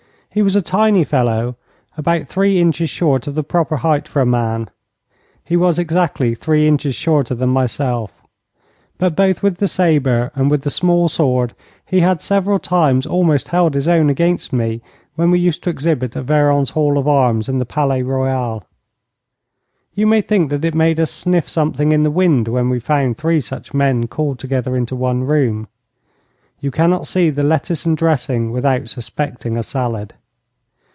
He was a tiny fellow, about three inches short of the proper height for a man he was exactly three inches shorter than myself but both with the sabre and with the small sword he had several times almost held his own against me when we used to exhibit at Verron's Hall of Arms in the Palais Royal. You may think that it made us sniff something in the wind when we found three such men called together into one room. You cannot see the lettuce and dressing without suspecting a salad.